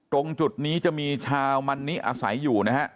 ตรงจุดนี้จะมีชาวมันนิอาศัยอยู่นะฮะ